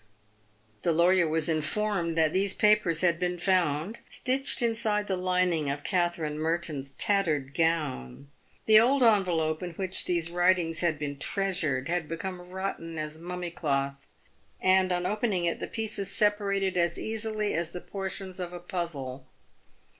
The lawyer was informed that these papers had been found stitched inside the lining of Katherine Merton's tattered gown. The old envelope in which these writings had been treasured had become rotten as mummy cloth, and, on opening it, the pieces separated as easily as the portions of a puzzle.